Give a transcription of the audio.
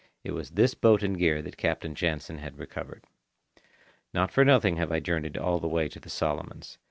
It was this boat and gear that Captain Jansen had recovered. Not for nothing have I journeyed all the way to the Solomons.